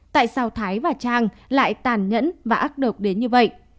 tại sao thái và trang lại tàn nhẫn và ác độc đến như vậy